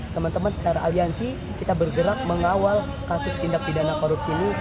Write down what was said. teman teman secara aliansi kita bergerak mengawal kasus tindak pidana korupsi ini